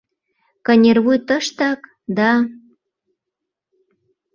Кынервуй тыштак да...